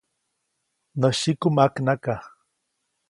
Nä syiku ʼmaknaka.